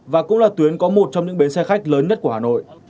và cũng là tuyến có một trong những bến xe khách lớn nhất của hà nội